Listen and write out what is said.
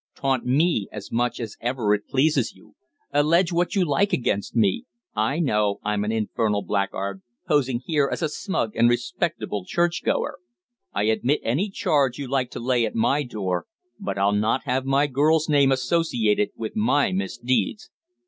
"Taunt me as much as ever it pleases you. Allege what you like against me. I know I'm an infernal blackguard, posing here as a smug and respectable churchgoer. I admit any charge you like to lay at my door, but I'll not have my girl's name associated with my misdeeds.